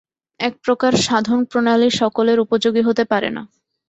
একপ্রকার সাধনপ্রণালী সকলের উপযোগী হতে পারে না।